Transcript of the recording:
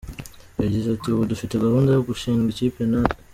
Yagize ati “Ubu dufite gahunda yo gushinga ikipe natwe.